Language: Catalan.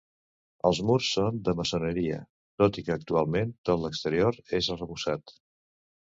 Els murs són de maçoneria tot i que actualment tot l'exterior és arrebossat.